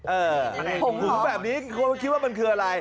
หึงแบบนี้คนคิดว่ามันคืออะไร